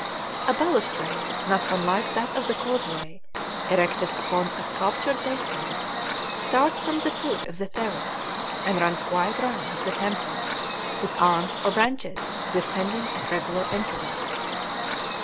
A balustrade not unlike that of the causeway, erected upon a sculptured basement, starts from the foot of the terrace and runs quite round the temple, with arms, or branches, descending at regular intervals.